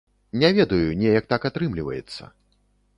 Не ведаю, неяк так атрымліваецца.